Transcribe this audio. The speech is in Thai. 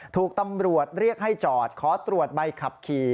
ถูกตำรวจเรียกให้จอดขอตรวจใบขับขี่